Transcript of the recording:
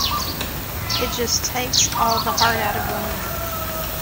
It just takes all the heart out of one.